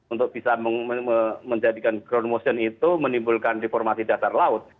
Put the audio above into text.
untuk bisa menjadikan ground motion itu menimbulkan deformasi dasar laut